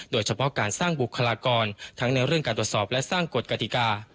โดยเฉพาะการสร้างบุคลากรทั้งในเรื่องการตรวจสอบและสร้างกฎกติกา